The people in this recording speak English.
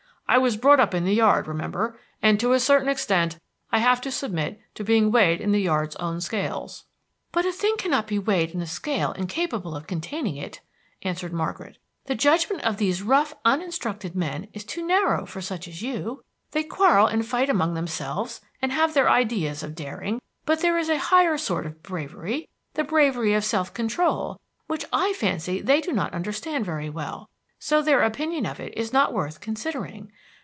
I was brought up in the yard, remember, and to a certain extent I have to submit to being weighed in the yard's own scales." "But a thing cannot be weighed in a scale incapable of containing it," answered Margaret. "The judgment of these rough, uninstructed men is too narrow for such as you. They quarrel and fight among themselves, and have their ideas of daring; but there is a higher sort of bravery, the bravery of self control, which I fancy they do not understand very well; so their opinion of it is not worth considering.